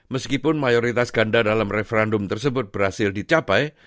meskipun mayoritas ganda dalam referendum tersebut berhasil dicapai